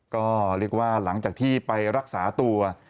ก็เรียกว่าหลังจากที่ไปรักษาตัว